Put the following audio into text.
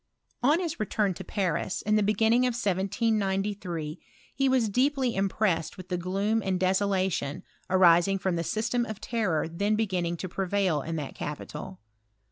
235 On his return to Paris, in the beginning of 1793, he was deeply impressed with the gloom and desolation arising from the system of terror then beginning to prevail in that capital.